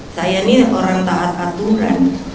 saya ini orang taat aturan